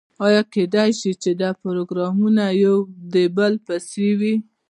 یا کیدای شي چې دا پروګرامونه یو د بل پسې وي.